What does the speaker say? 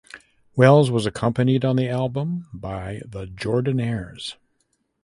Wells was accompanied on the album by the Jordanaires.